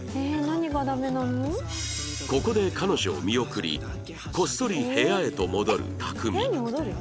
ここで彼女を見送りこっそり部屋へと戻るタクミ